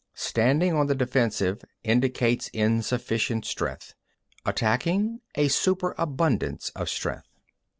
6. Standing on the defensive indicates insufficient strength; attacking, a superabundance of strength.